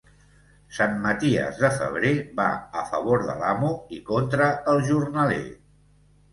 Sant Maties de febrer va a favor de l'amo i contra el jornaler.